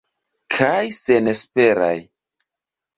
Kaj senesperaj.